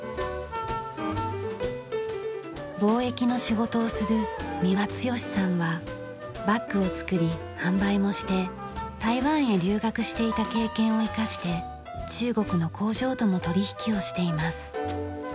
貿易の仕事をする三輪毅さんはバッグを作り販売もして台湾へ留学していた経験を生かして中国の工場とも取引をしています。